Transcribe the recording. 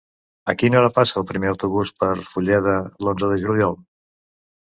A quina hora passa el primer autobús per Fulleda l'onze de juliol?